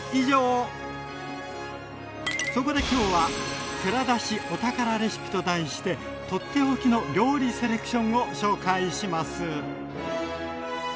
そこで今日は「蔵出し！お宝レシピ」と題して取って置きの料理セレクションを紹介します。